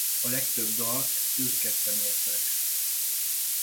A legtöbb dalt ők ketten írták.